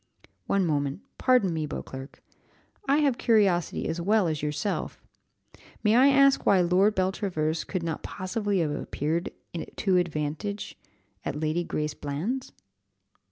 "One moment pardon me, Beauclerc; I have curiosity as well as yourself. May I ask why Lord Beltravers could not possibly have appeared to advantage at Lady Grace Bland's?"